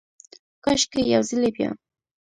کاشکي ، یو ځلې بیا،